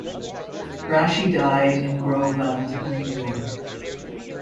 Raschi died in Groveland, New York.